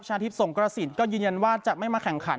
ชาธิบสงกรสิทธิ์ก็ยืนยันว่าจะไม่มาแข่งขัน